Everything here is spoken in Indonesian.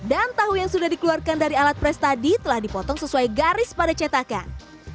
dan tahu yang sudah dikeluarkan dari alat pres tadi telah dipotong sesuai garis pada cetakan